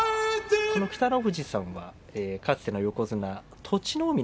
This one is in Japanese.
北の富士さんはかつての横綱栃ノ